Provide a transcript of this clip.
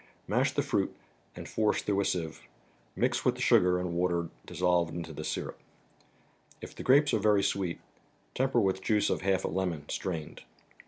Mash the fruit and force through a sieve; mix with the sugar and water dissolved into the syrup. If the grapes are very sweet, temper with juice of half a lemon, strained.